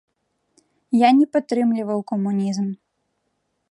Я не падтрымліваў камунізм.